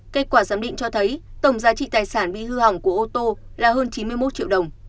kết quả giám định cho thấy tổng giá trị tài sản bị hư hỏng của ô tô là hơn chín mươi một triệu đồng